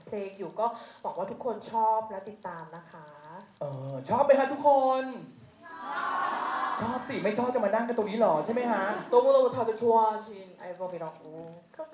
สุดสุดวัญญองค์บรรยายไชน์ก็เป็นเพศที่น้องก่อน